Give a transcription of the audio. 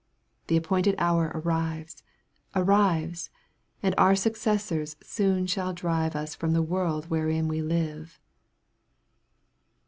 The appointed hour, arrives, arrives ! And our successors soon shaH drive Us from the world wherein we live.